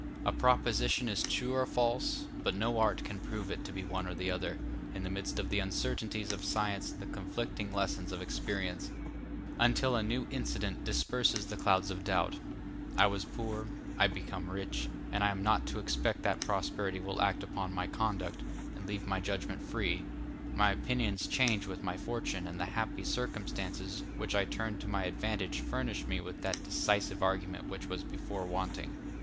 A proposition is true or false, but no art can prove it to be one or the other, in the midst of the uncertainties of science and the conflicting lessons of experience, until a new incident disperses the clouds of doubt; I was poor, I become rich, and I am not to expect that prosperity will act upon my conduct, and leave my judgment free; my opinions change with my fortune, and the happy circumstances which I turn to my advantage furnish me with that decisive argument which was before wanting.